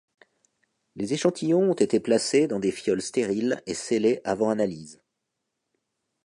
Les échantillons ont été placés dans des fioles stériles et scellées avant analyse.